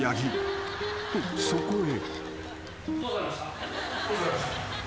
［とそこへ］